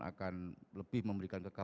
akan lebih memberikan